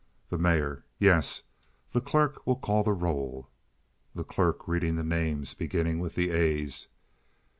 The Mayor. "Yes. The clerk will call the roll." The Clerk (reading the names, beginning with the A's).